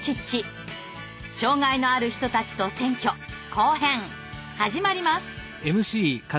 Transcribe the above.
障害のある人たちと選挙後編始まります！